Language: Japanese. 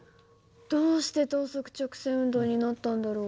どうして等速直線運動になったんだろう？